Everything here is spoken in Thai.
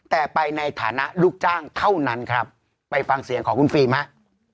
แต่ไปในฐานะลูกจ้างเท่านั้นครับไปฟังเสียงของคุณฟิล์มฮะ